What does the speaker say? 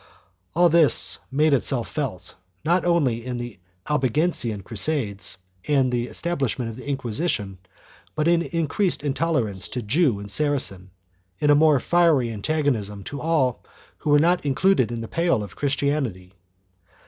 All this made itself felt, not only in Albigensian crusades and the estab lishment of the Inquisition, but in increased intolerance to Jew and Saracen, in a more fiery antagonism to all who were not included in the pale of Christianity.